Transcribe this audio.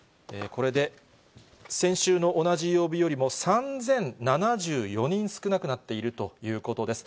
これで先週の同じ曜日よりも３０７４人少なくなっているということです。